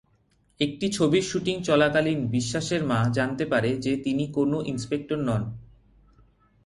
একটি ছবির শুটিং চলাকালীন বিশ্বাসের মা জানতে পারে যে তিনি কোনও ইন্সপেক্টর নন।